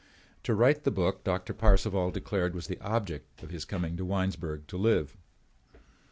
To write the book Doctor Parcival declared was the object of his coming to Winesburg to live.